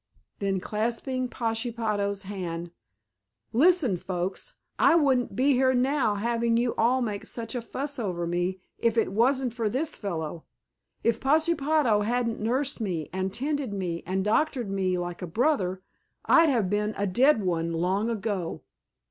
Then clasping Pashepaho's hand, "Listen, folks, I wouldn't be here now having you all make such a fuss over me if it wasn't for this fellow. If Pashepaho hadn't nursed me and tended me and doctored me like a brother I'd have been a dead one long ago."